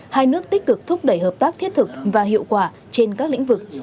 hai nước tích cực thúc đẩy hợp tác thiết thực và hiệu quả trên các lĩnh vực